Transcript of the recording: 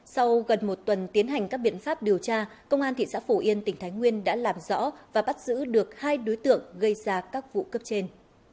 sau gần một tuần tiến hành các biện pháp điều tra công an thị xã phổ yên tỉnh thái nguyên đã làm rõ và bắt giữ được hai đối tượng gây ra các vụ cướp trên